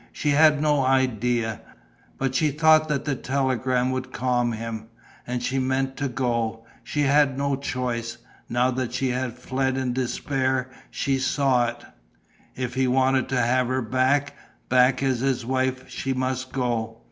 She had no idea. But she thought that the telegram would calm him. And she meant to go. She had no choice. Now that she had fled in despair, she saw it: if he wanted to have her back, back as his wife, she must go.